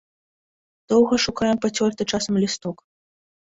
Доўга шукаем пацёрты часам лісток.